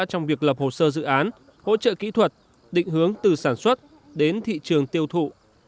trong việc lập hồ sơ dự án hỗ trợ kỹ thuật định hướng từ sản xuất đến thị trường tiêu thụ